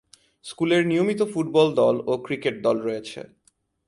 স্কুলের নিয়মিত ফুটবল দল ও ক্রিকেট দল রয়েছে।